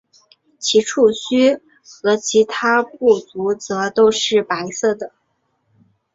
其触须和其他步足则都是白色的。